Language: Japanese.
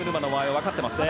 分かってますね。